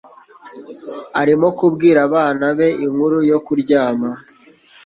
arimo kubwira abana be inkuru yo kuryama.